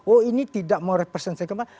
oh ini tidak mau representasi kemana